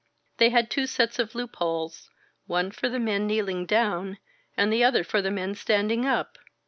They had two sets of loopholes, one for the men kneeling down and the other for the men standing up.